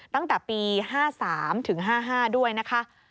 ตั้งแต่ปี๕๓ถึง๕๕ด้วยนะคะ